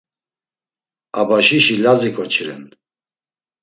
Abaşişi Lazi ǩoçi ren.